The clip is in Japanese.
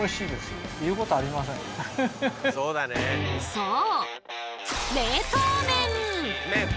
そう！